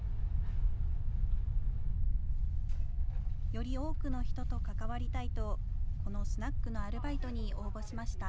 より多くの人と関わりたいと、このスナックのアルバイトに応募しました。